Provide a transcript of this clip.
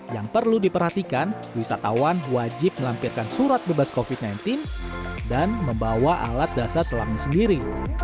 yang perlu diperhatikan wisatawan wajib melampirkan surat bebas covid sembilan belas dan membawa alat dasar selamnya sendiri